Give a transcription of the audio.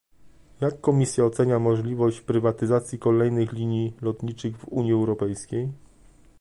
Jak Komisja ocenia możliwość prywatyzacji kolejnych linii lotniczych w Unii Europejskiej?